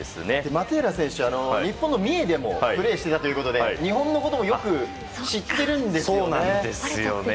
マテーラ選手は日本でプレーしていたということで日本のこともよく知っているんですよね。